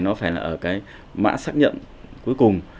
nó phải là ở cái mã xác nhận cuối cùng